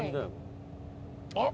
あっ！